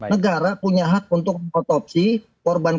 negara punya hak untuk otopsi korban kanjur